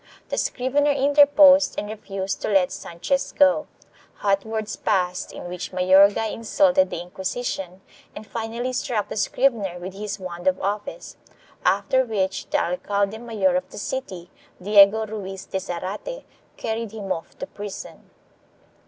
The scrivener interposed and refused to let Sanchez go; hot words passed in which Mayorga insulted the Inquisition and finally struck the scrivener with his wand of office, after which the alcalde mayor of the city, Diego Ruiz de Zarate, carried him off to prison.